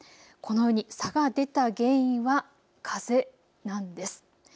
このように差が出た原因は風なんです。